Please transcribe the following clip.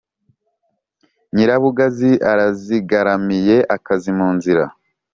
Nyirabugazi arazigaramiye-Akazi mu nzira.